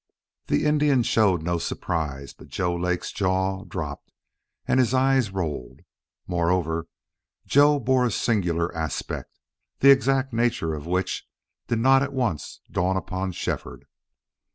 The Indian showed no surprise. But Joe Lake's jaw dropped and his eyes rolled. Moreover, Joe bore a singular aspect, the exact nature of which did not at once dawn upon Shefford.